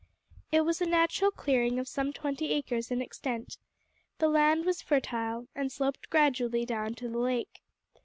It was a natural clearing of some twenty acres in extent. The land was fertile, and sloped gradually down to the lake.